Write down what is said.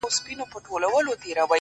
يو يمه خو ـ